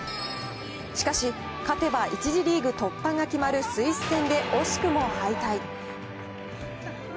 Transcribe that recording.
しかし、勝てば１次リーグ突破が決まるスイス戦で惜しくも敗退。